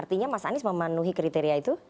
artinya mas anies memenuhi kriteria itu